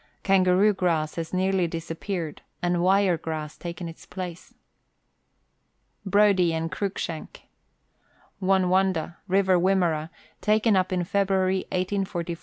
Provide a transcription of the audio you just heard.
Kangaroo grass has nearly disappeared, and wire grass taken its place. Brodie and Cruikshank. Wonwondah, River Wimmera, taken up in February 1844, with 3,300 sheep.